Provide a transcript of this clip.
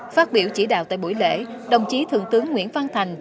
phát biểu chỉ đạo tại buổi lễ đồng chí thượng tướng nguyễn văn thành